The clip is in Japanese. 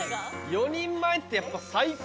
４人前ってやっぱ最高。